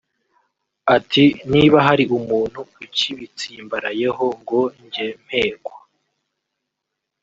Ati “Niba hari umuntu ukibitsimbarayeho ngo njye mpekwa